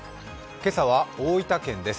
今朝は大分県です。